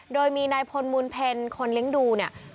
โดยมีนายพลมูลเพลคนเลี้ยงดูเนี่ย